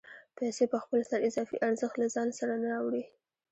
پیسې په خپل سر اضافي ارزښت له ځان سره نه راوړي